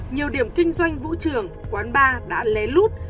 nhiều điểm kinh doanh vũ trường quán bar đã lén lút